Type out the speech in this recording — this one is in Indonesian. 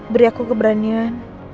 beri aku keberanian